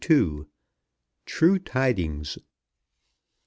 TRUE TIDINGS.